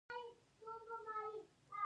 افغانستان به یو کیږي؟